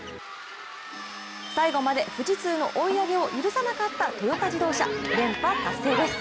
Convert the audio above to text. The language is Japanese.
最後まで富士通の追い上げを許さなかったトヨタ自動車、連覇達成です。